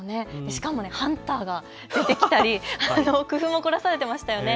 しかもハンターが出てきたり工夫も凝らされていましたよね。